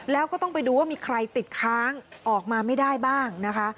แล้วก็ต้องไปดูว่ามีใครติดค้างออกมาไม่ได้บ้างนะคะ